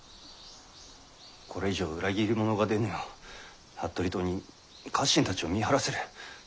これ以上裏切り者が出ぬよう服部党に家臣たちを見張らせる。